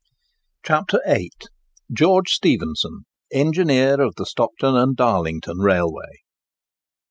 CHAPTER VIII. GEORGE STEPHENSON ENGINEER OF THE STOCKTON AND DARLINGTON RAILWAY.